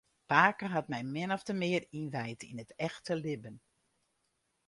Pake hat my min ofte mear ynwijd yn it echte libben.